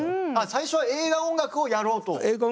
最初は映画音楽をやろうと？